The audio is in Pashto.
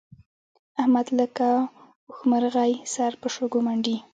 احمد لکه اوښمرغی سر په شګو منډي.